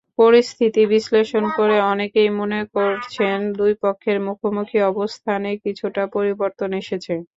পরিস্থিতি বিশ্লেষণ করে অনেকেই মনে করছেন, দুই পক্ষের মুখোমুখি অবস্থানে কিছুটা পরিবর্তন এসেছে।